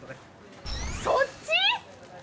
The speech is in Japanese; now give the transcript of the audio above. そっち！？